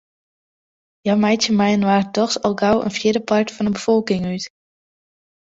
Hja meitsje mei-inoar dochs al gau in fjirdepart fan 'e befolking út.